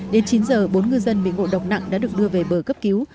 đến chín h bốn ngư dân bị ngộ độc nặng đã được đưa về bờ cấp cứu